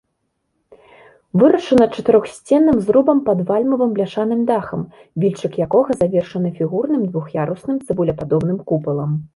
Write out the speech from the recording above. Вырашана чатырохсценным зрубам пад вальмавым бляшаным дахам, вільчык якога завершаны фігурным двух'ярусным цыбулепадобным купалам.